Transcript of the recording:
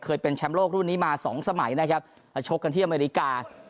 เป็นแชมป์โลกรุ่นนี้มาสองสมัยนะครับแล้วชกกันที่อเมริกา